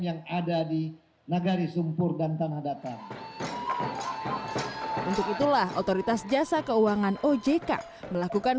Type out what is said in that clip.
yang ada di nagari sumpur dan tanah datar untuk itulah otoritas jasa keuangan ojk melakukan